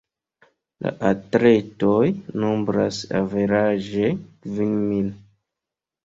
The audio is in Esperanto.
La atletoj nombras averaĝe kvin mil.